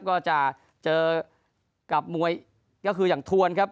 ก็จะเจอกับมวยก็คืออย่างทวนครับ